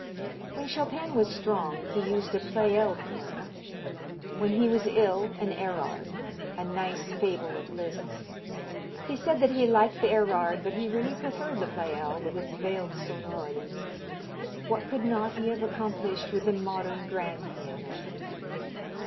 When Chopin was strong he used a Pleyel piano, when he was ill an Erard a nice fable of Liszt's! He said that he liked the Erard but he really preferred the Pleyel with its veiled sonority. What could not he have accomplished with the modern grand piano?